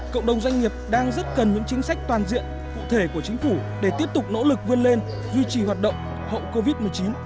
cộng đồng doanh nghiệp đang rất cần những chính sách toàn diện cụ thể của chính phủ để tiếp tục nỗ lực vươn lên duy trì hoạt động hậu covid một mươi chín